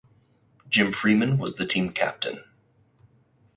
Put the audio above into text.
Jim Freeman was the team captain.